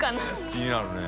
気になるね。